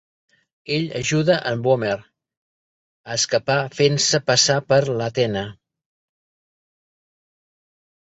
Ell ajuda en Boomer a escapar fent-se passar per l'Athena.